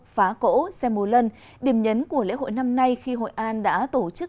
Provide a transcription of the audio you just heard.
phá cỗ xe mù lân điểm nhấn của lễ hội năm nay khi hội an đã tổ chức